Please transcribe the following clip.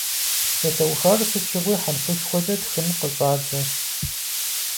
Псалъэухар сыт щыгъуи хьэрфышхуэкӏэ тхын къыщӏадзэ.